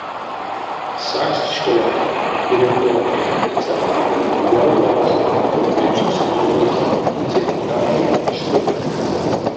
Састь школань директоронтень якицятне ды яволявтсть: ве чис нолдызь репетициянь ютавтомо школав.